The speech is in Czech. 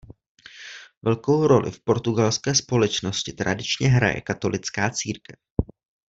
Velkou roli v portugalské společnosti tradičně hraje katolická církev.